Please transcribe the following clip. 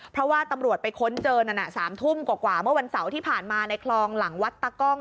เพราะว่าตำรวจไปค้นเจอนั่นน่ะ๓ทุ่มกว่าเมื่อวันเสาร์ที่ผ่านมาในคลองหลังวัดตะกล้อง